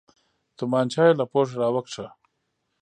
تمانچه يې له پوښه راوکښ.